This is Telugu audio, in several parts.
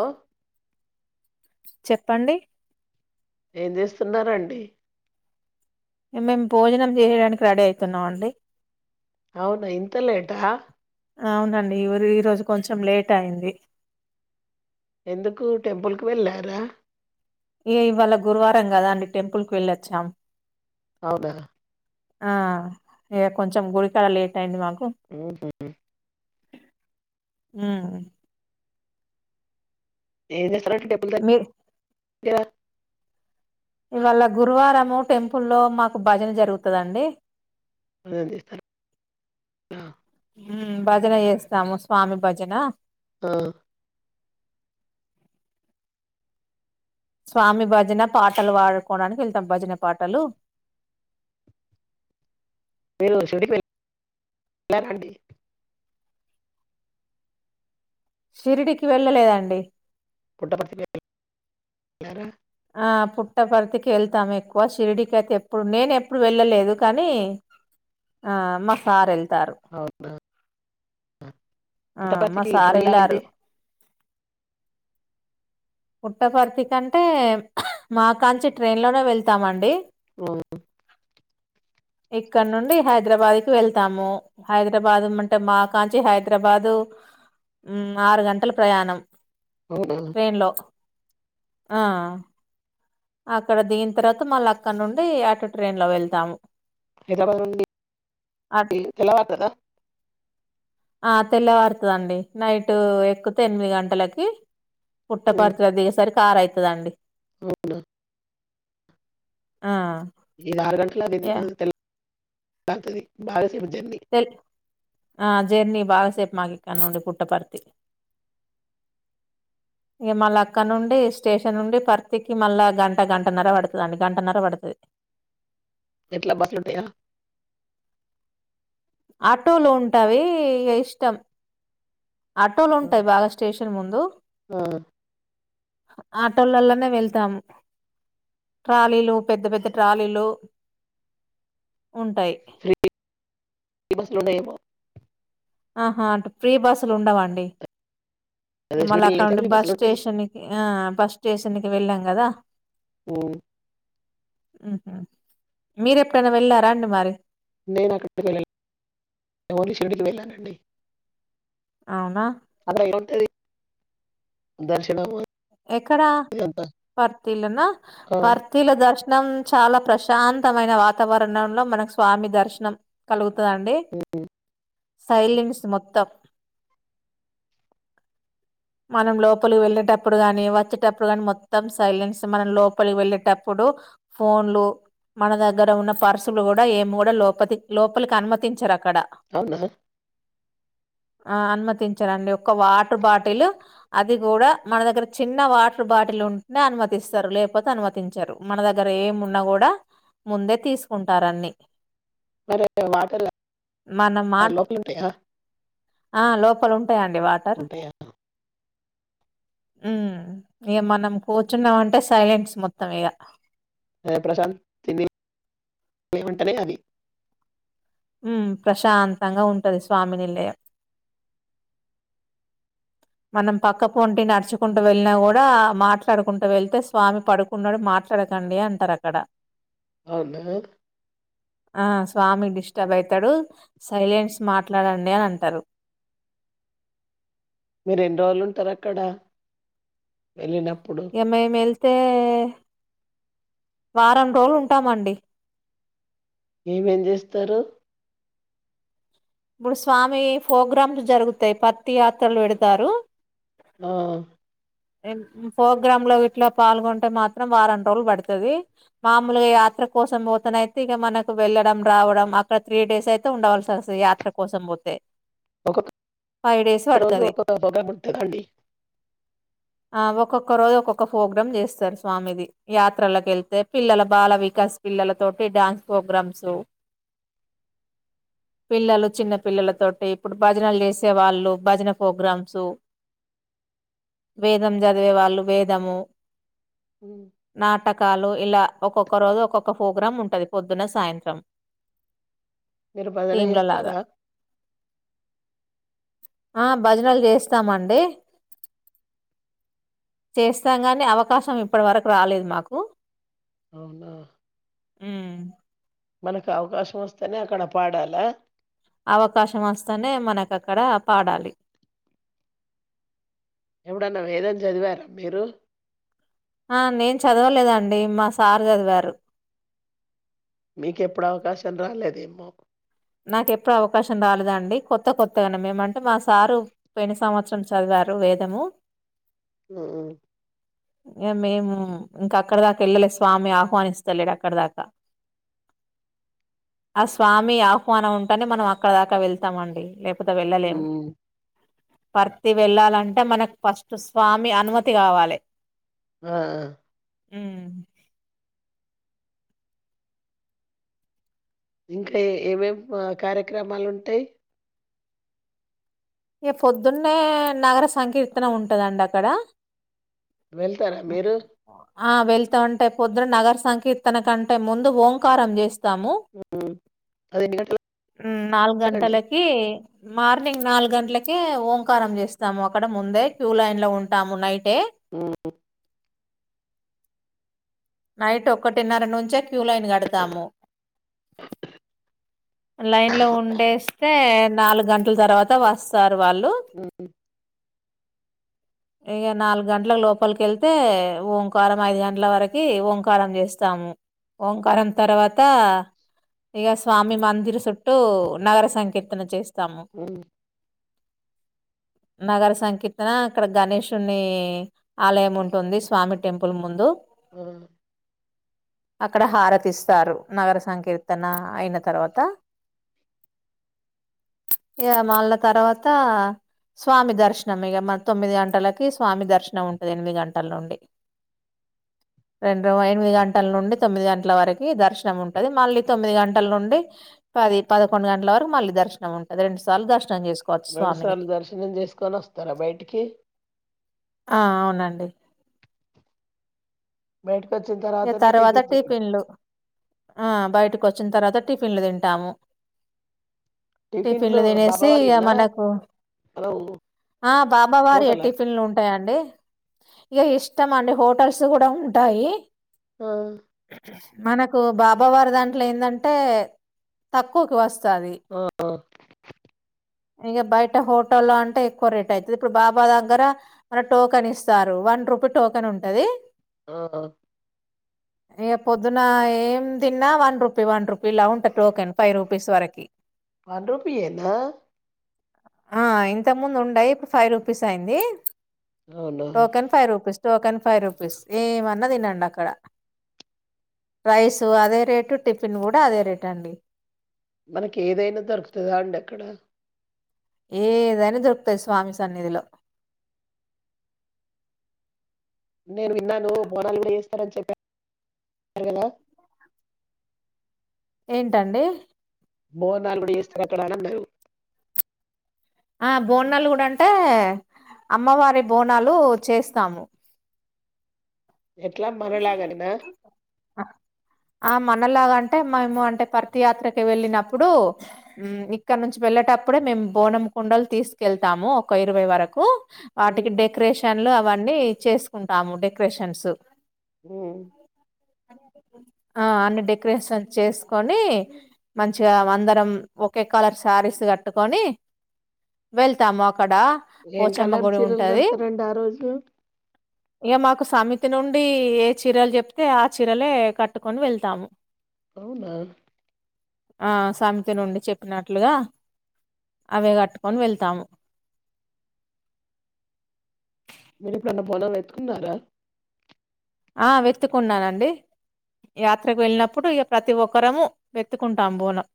ఓ చెప్పండి ఏం చేస్తున్నారండీ మేము భోజనం చేయడానికి రెడీ అవుతున్నాం అండి. అవునా ఇంత లేటా అవునండి ఈ రోజు కొంచెం లేట్ అయింది. ఎందుకు టెంపుల్ కీ వెళ్ళారా. మ్మ్ ఇవాళ గురువారం కదా అండి టెంపుల్ కీ వెళ్ళొచ్చాం అవునా ఆ ఇగ కొంచెం గుడికాడ లేట్ అయింది మాకు మ్మ్ హు హు మ్మ్ హ్ ఏం చేస్తారండి టెంపుల్ మీ దగ్గర ఇవాల్లా గురువారం టెంపుల్ లో మాకు భజన జరుగుతదండి ఏందీ ఇది మ్మ్ మ్మ్ భజన చేస్తాము స్వామి భజన. మ్మ్ హ్ స్వామి భజన పాటలు పాడుకోవడానికి వెళ్తాం భజన పాటలు మీరు షిరిడి కి వెళ్లారా అండి షిరిడికి వెళ్ళలేదండి పుట్టపర్తి కి ఎల్లారా ఆ పుట్టపర్తి కి వెళ్తాం ఎక్కువ షిరిడి కిి అయితే ఎప్పుడు నేను ఎప్పుడు వెళ్ళలేదు కానీ ఆ మాసార్ ఏళ్తారు అవునా ఆ మా పుట్టపర్తికి ఎట్ల సార్ వెళ్ళారు వెళ్ళాలండి పుట్టపర్తి కంటే మా కాంచి ట్రైన్ లోనే వెళ్తామండి. అవున ఇక్కడ నుండి హైదరాబాద్ కి వెళ్తాము హైదరాబాద్ అంటే మా కాంచి హైదరాబాదు ఉమ్ ఆరు గంటల ప్రయాణం అవునా! ట్రైన్ లో ఆ అక్కడ దిగిన తర్వాత మళ్ళ అక్కడ నుండి ఆటొ ట్రైన్ లో వెళ్తాము హైదరాబాద్ నుండి అట్ [inaudible] తెల్లవారుతదా ఆ తెల్లవారతదండి నైట్ ఎక్కుతే ఎనిమిది గంటలకి హ్మ్. పుట్టపర్తిలో దిగేసరికి ఆర్ అయితదండి అవునా ఆ ఇది ఆరు గంటల అది యా ఎనిమిది [unintelligible] తెల్ ఆద్ జేర్నీ బాగా సేప్ మాకి ఇక్కనుండి పుట్టపర్తి ఇగ మళ్ళా అక్కడ నుండి స్టేషన్ నుండి పర్తికి మళ్ళా గంట గంటన్నర పడతదండి గంటన్నర పడతది ఎట్లా బస్సులుంటాయా ఆటోలు ఉంటావి ఇష్టం ఆటోలు హ్మ్. ఉంటాయ్ బాగా స్టేషన్ ముందు ఆ! ఆటోలల్లోనే వెళ్తాము ట్రాలీలు పెద్ద పెద్ద ట్రాలీలు ఉంటాయ్ ఫ్రీ బస్లు ఉండాయేమొ ఆహా అటు ప్రీ బస్సులు ఉండవండి ఇగ అదే మళ్ళ షిరిడీలో అక్కడ అయితే నుండి ఫ్రీ బస్ బస్సులుంటాయి. స్టేషన్ కి ఆ బస్ స్టేషన్ కి వెళ్ళం కదా ఊమ్ ఉహూ మీరెప్పుడైనా వెళ్ళారా అండి మరి నేను అక్కడికి వెళ్ళలేదు ఓన్లీ షిరిడీ కి వెళ్ళానండి అవునా అక్కడ ఏముంటది దర్శనమా ఎక్కడ పర్తీలొనా ఆ! పర్తీలొ దర్శ నం చాలా ప్రశాంతమైన వాతావరణంలో మనకు స్వామి దర్శనం కలుగు తదండి హ్మ్. సైలెన్స్ మొత్తం మనం లోపలికి వెళ్ళేటప్పుడు గాని వచ్చేటప్పుడు గాని మొత్తం సైలెన్స్ మనం లోపలికి వెళ్ళేటప్పుడు ఫోన్లు మన దగ్గర ఉన్న పర్సులు కూడా ఏమ్ గూడా లోపతిక్ లోపలికి అనుమతించరు అక్కడ అవునా ఆ అనుమతించరండి ఒక వాటర్ బాటిల్ అది గూడా మన దగ్గర చిన్న వాటర్ బాటిల్ ఉంటేనే అనుమతిస్తారు లేకపోతే అనుమతించరు మన దగ్గర ఏమున్నా గూడా ముందే తీసుకుంటారన్ని మరి [unintelligible] మనం మా లోపలె ఉంటాయా ఆ లోపల ఉంటాయండి వాటర్ ఉంటాయా? ఊమ్ ఇగ మనం కూర్చున్నామంటే సైలెంట్స్ మొత్తం ఇగ ప్రశాంత్ తిని వంటనే అవి [unintelligible] ఉమ్ ప్రశాంతంగా ఉంటది స్వామినిలయం మనం పక్క పోంటి నడుచుకుంటూ వెళ్ళినా కూడా మాట్లాడు కుంటూ వెళ్తే స్వామి పడుకున్నాడు మాట్లాడకండి అంటారు అక్కడ అవున ఆ స్వామి డిస్టర్బ్ అయితాడు సైలెంట్స్ మాట్లాడండి అని అంటారు మీరెన్ రోలు ఉంటారక్కడ వెళ్ళినప్ ఏ మేమ్ ఎళ్తే వారం రోజ్లు ఉంటామండి ఏమేం జేస్తరు ప్పుడ్ స్వామీ ప్రోగ్రామ్స్ జరుగుతాయి పత్తి యాత్రలు వెడ్తారు ఆ ఫోగ్రామ్లో ఇట్లో పాల్గొంటే మాత్రం వారం రోలు పడ్తది మామూలుగ యా త్ర కోసం పోతేనైతే ఇక మనకు వెళ్ళడం రావడం అక్కడ త్రీ డేస్ ఐతే ఉండవలసి అస్తు యాత్ర కోసం పోతే ఒక ఫైవ్ డేస్ రోజు పడుతది [unintelligible] అ ఒక్కొక్క రోజు ఒక్కొక్క ఫోగ్రమ్ జేస్తరు స్వామిది యాత్రలకి ఎళ్తే పిల్లల బాల వి పసి పిల్లలతోటి డాన్స్ పోగ్రామ్స్ పిల్లలు చిన్న పిల్లలతోటి ఇప్పుడు భజనలు చేసే వాళ్ళు భజన ఫోగ్రామ్సు వేదం జదివే వాళ్ళు వేదము హ్మ్. నాటక్ కాలు ఇలా ఒక్కొక్క రోజు ఒక్కొక్క ఫోగ్రమ్ ఉంటంది పొద్దున సాయంత్రం మీరు భజన టీమ్ల లాగా ఎస్తారా ఆ భజనల్ చేస్తామండి చేస్తాం గాని అవకాశం ఇప్పడి వరకు రాలేదు మాకు ఔనా ఉమ్ మనకు అవకాశం ఒస్తేనే అక్కడ పాడాలా అవకాశం ఒస్తనే మనకక్కడ పాడాలి ఎబుడన్న వేదం చదివారా మీరు అ నేన్ చదవలేదండి మా సార్ జదివారు మీకెప్పుడవకాశం రాలేదేమో నాకెప్పుడు అవకాశం రాలేదండి కొత్త కొత్తగనే మేమంటే మా సారు పోన సంవత్సరం చదివ రు వేదము ఆహ ఇగ మేము ఇంకక్కడ దాకా ఎళ్ళలే స్వామి ఆహ్వానిస్తలేడు అక్కడ దాకా అ స్వామి ఆహ్వానం ఉంటనే మనం అక్కడ దాకా వెళ్తామండి లేప్ త వెళ్ళలేం హ్మ్. పర్తి వెళ్ళాలంటే మనక్ ఫస్ట్ స్వామి అనుమతి గావాలె ఆ ఉమ్ ఇంకా ఏమేమ కార్యక్రమాలు ఉంటయ్ గ పొద్దున్నే నగర సంకీర్తన ఉంటదండి అక్కడ వెళ్తార మీరు ఆ వెళ్తా అంటే పొద్దున నగర సంకీర్తన కంటే ముందు ఓంకారం జేస్ తము హ్మ్. ఉమ్ నాలుగు గంటలకండి. గంటలకకీ మార్నింగ్ నాలుగంట్లకే ఓంకారం జేస్తాము అక్కడ ముందే క్యూ లైన్ లో ఉంటాము నైట్ కే ఒ నైట్ ఒకటిన్నర నుంచె క్యూ లైన్ కడతాము లైన్లో ఉండేస్తే నాలుగంటల తర్వాత వస్తా రు వాళ్ళు హ్మ్. ఇగ నాలుగంట్లకు లోపల్కేళ్తే ఓంకారం ఐదు గంట్ల వరకి ఓంకారం చేస్తాము ఓంకారం తర్వాతా ఇగ స్వామి మం ఇరు సుట్టూ నగర సంకీర్తన చేస్ ఉ నగర సంకీర్తన అక్కడ గణేషుని ఆలయం ఉంటుంది స్వామి టెంపుల్ ముందు మ్ అక్కడ హారతిస్తారు నగర సంకీర్తన అయిన తర్వాత ఇగ మళ్ళా తర్వాత స్వామి దర్శనం ఇక మ తొమ్మిది గంటలకి స్వామి దర్శనం ఉంటది ఎనిమిది గంటల నుండి రెండు ఎనిమిది గంటల నుండి తొమ్మిది గంటల వరకి దర్శనం ఉంటది మళ్ళీ తొమ్మిది గంటల నుండి పది పదకొండు గంటల వరకు మళ్ళీ దర్శనం ఉంటది రెండు సార్లు దర్శన్ రెండు సార్లు దర్శనం చేసుకొని వస్తారా బయటికి ఆ అవునండి బైటిక్ ఇగ తర్వాత టిఫిన్లు ఆ బయటిక్ ఓచ్ చ్చిన్ తర్వాత టిఫిన్లు తింటాము టిఫిన్‌లు టిఫిన్లు తినేసి ఇగ బాబావారియేనా? మనకు మనం ఆ బాబా వారీయే హోటలా? టిపిన్లు ఉంటాయండ్ అండి మీ ఇష్టం అండి హోటల్స్ గూడా ఉంటాయి ఉమ్ మనకు బాబావారి దాంట్లో ఏందంటే తక్కువకి వస్తు స్థాది ఆ! ఆ! ఇగా బయట హోటల్లో అంటే ఎక్కువ రేట్ అయితది ఇప్పుడు బాబా దగ్గర మన టోకెన్ ఇస్తారు వన్ రూప్ ఒక టోకెన్ ఉంటది ఆ ఏ పొద్దున ఏం తిన్నా వన్ రూపీ వన్ రూపీ ఇలా ఉంటాద్ టోకెన్ ఫైవ్ రూపీస్ వరకి వన్ రూపీయేనా ఆ ఇంతక్ ముందు ఉండయ్ ఇప్పుడు ఫైవ్ రూపీస్ అయింది అవునా! Token five rupees token five rupees ఏమన్నా తినండి అక్ అక్కడ రైసు అదే రేటు టిఫిన్ కూడా అదే రేట్ అండి మనకి ఏదైనా దొరుకుతదా అండి అక్కడ ఏదైనా దొరుకుతాది స్వామి సన్నిధిలో నేన్ విన్నాను బోనాలు కూడా చేస్తారని చెప్పాను కదా ఏంటండి బోనాలు కూడా చేస్తారు అక్కడ అని అన్నారు ఆ బోనాలు గుడా అంటే అమ్మవారి బోనాలు చేస్తాము ఎట్లా మనలాగానేనా? ఆ మన్ మనలాగాంటే మేము అంటే పర్తియాత్రకి వెళ్ళినప్పుడు మ్ ఇక్కడ్ నుంచి వెళ్ళటప్పుడే మేం బోనం కుండలు తీసుకెళ్తాము ఒక ఇరవై వరకు వాటికి ఉమ్, డెకరేషన్లు అవన్నీ చేసుకుంటాము డెకరేషన్స్ ఉమ్ ఆ అన్ని డెకరేషన్ చేసుకొని మంచిగా అందరం ఒకే కలర్ శారీస్ కట్ కట్టుకని వెళ్తాము అక్ క్కడ ఏం పోచమ్మ కలర్ గుడి చీరలు ఉంటది కడతారండి ఆ రోజు ఇగా మాకు సమి తి నుండి ఏ చీరలు చెప్తే ఆ చీరలే కట్టుకొని వెళ్తాము అవునా ఆ సమితి నుండి చెప్పినట్లుగా అవే కట్టుకొని వెళ్తాము మొన్న బోనలు ఎత్తుకున్నారా ఆ వెత్తుకున్నానండి యాత్రకు వెళ్ళినప్పుడు ఇక ప్రతి ఒక్కరము వెత్తుకుంటాం బోనం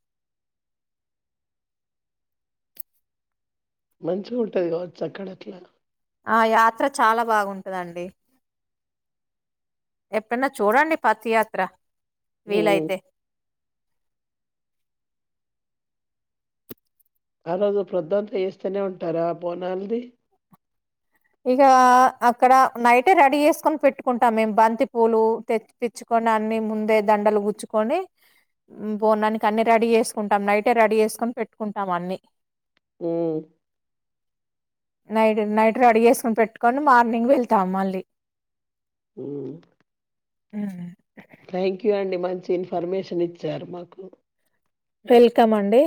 మంచిగ ఉంటది గా చ్చక్కడ అట్లా. ఆ యాత్ర చాలా బాగుంటదండి. ఎక్కన్నా చూడండి పత్తియాత్ర. ఉమ్. వీలైతే ఆ రోజు ప్రొద్దంత ఎస్తనే ఉంటారా బోనాల్ ది. ఇగా అక్కడ నైటే రెడీ చేస్కొని పెట్టుకుంటాం మేమ్ బంతి పూలు తెచ్ తెచ్చుకొన్. కొనన్ని ముందే దండలు గుచ్చుకొని. బోనానికి అన్ని రెడీ చేస్కుంటాం నైటే రెడీ చేస్కోని పెట్టుకుంటాం అన్ని. ఉమ్మ్ నైట్ నైట్ రెడీ చేస్కొని పెట్టుకొని మార్నింగ్ వెళ్తాం మళ్ళీ. హ్మ్ హ్మ్ థ్యాంక్ యూ అండి మంచి ఇన్ఫర్మేషన్ ఇచ్చారు మాకు. వెల్కమ్ అండి.